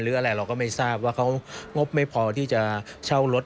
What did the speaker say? อะไรเราก็ไม่ทราบว่าเขางบไม่พอที่จะเช่ารถ